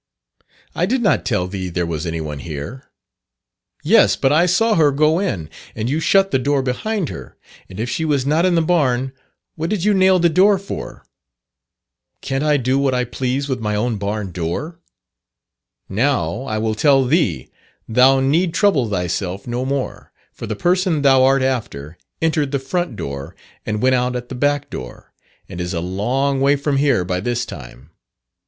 "I did not tell thee there was any one here." "Yes, but I saw her go in, and you shut the door behind her, and if she was not in the barn, what did you nail the door for?" "Can't I do what I please with my own barn door? Now I will tell thee; thou need trouble thyself no more, for the person thou art after entered the front door and went out at the back door, and is a long way from here by this time.